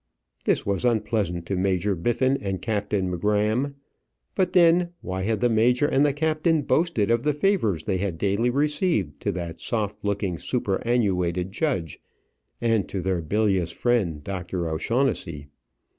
This was unpleasant to Major Biffin and Captain M'Gramm. But then why had the major and the captain boasted of the favours they had daily received, to that soft looking, superannuated judge, and to their bilious friend, Dr. O'Shaughnessy?